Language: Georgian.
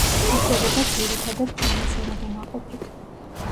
იკვებება ძირითადად ჩამოცვენილი ნაყოფით.